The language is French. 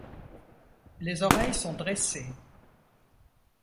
Les oreilles sont dressées.